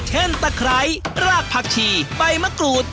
เช่นตะไคร้รากผักที่ใบมะกรูด